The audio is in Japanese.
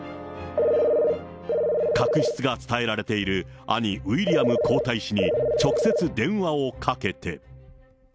確執が伝えられている兄、ウィリアム皇太子に直接電話をかけて。